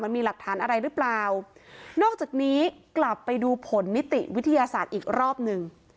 มีหลักฐานอะไรหรือเปล่านอกจากนี้กลับไปดูผลนิติวิทยาศาสตร์อีกรอบหนึ่ง